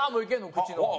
口の。